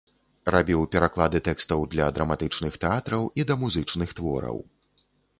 Рабіў пераклады тэкстаў для драматычных тэатраў і да музычных твораў.